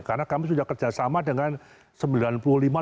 karena kami sudah kerjasama dengan sembilan puluh lima lembaga